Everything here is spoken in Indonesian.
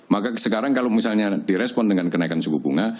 maka sekarang kalau misalnya direspon dengan kenaikan suku bunga